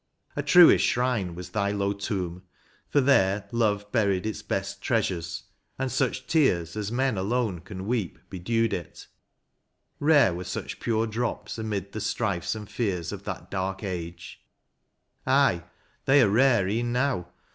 A truest shrine was thy low tomb, for there Love buried its best treasures, and such tears As men alone can weep, bedewed it; rare Were such pure drops amid the strifes and fears Of that dark age, — aye, they are rare e en now.